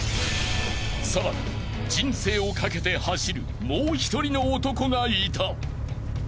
［さらに人生を懸けて走るもう１人の男がいた］